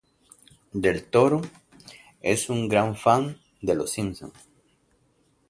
Del Toro es un gran fan de Los Simpson.